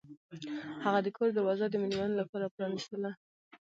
هغه د کور دروازه د میلمنو لپاره پرانیستله.